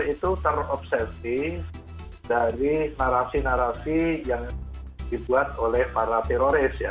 itu terobsesi dari narasi narasi yang dibuat oleh para teroris ya